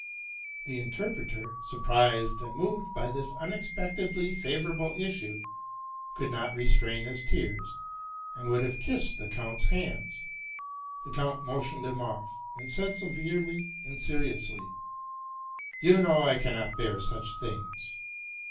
The interpreter, surprised and moved by this unexpectedly favorable issue, could not restrain his tears, and would have kissed the count's hands. The count motioned him off, and said severely and seriously, '' You know I cannot bear such things.